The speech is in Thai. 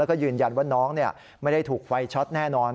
แล้วก็ยืนยันว่าน้องไม่ได้ถูกไฟช็อตแน่นอน